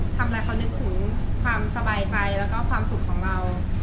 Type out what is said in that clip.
ทำอะไรเขานึกถึงความสบายใจแล้วก็ความสุขของเรา